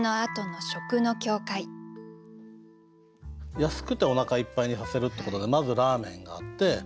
安くておなかいっぱいにさせるってことでまずラーメンがあって。